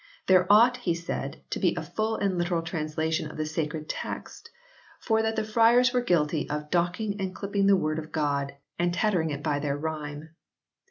There ought, he said, to be a full and literal translation of the sacred text, for that the friars were guilty of " docking and clipping the Word of God, and tattering it by their rime."